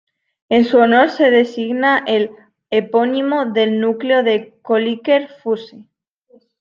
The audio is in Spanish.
En su honor se designa el epónimo del núcleo de Kölliker-Fuse.